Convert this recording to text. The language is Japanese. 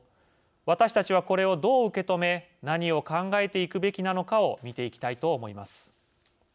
私たちは、これをどう受け止め何を考えていくべきなのかを見ていきたいと思います。